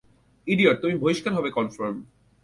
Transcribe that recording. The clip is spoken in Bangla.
ইডিয়ট, তুমি বহিষ্কার হবে কনফার্ম।